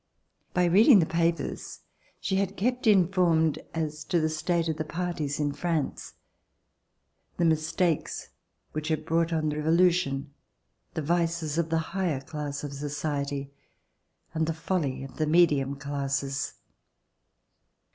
By reading the papers she had kept informed as to the state of parties in France, the mistakes which had brought on the Revolution, the vices of the higher class of society, and the folly of the medium classes.